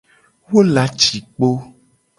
Wo la ci kpo.